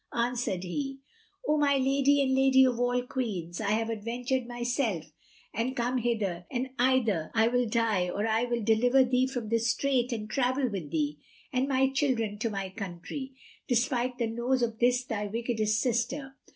Answered he, "O my lady and lady of all Queens, I have adventured myself and come hither, and either I will die or I will deliver thee from this strait and travel with thee and my children to my country, despite the nose of this thy wickedest sister."